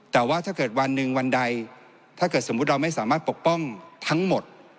แต่ว่าถ้าเกิดวันหนึ่งวันใดถ้าเกิดสมมุติเราไม่สามารถปกป้องทั้งหมด